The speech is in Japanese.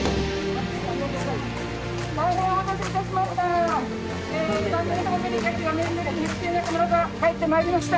大変お待たせいたしました。